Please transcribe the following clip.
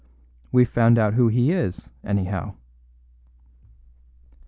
"We've found out who he is, anyhow."